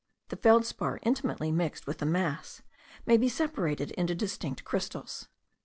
The feldspar intimately mixed with the mass, may be separated into distinct crystals.